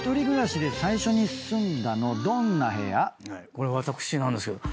これ私なんですけど。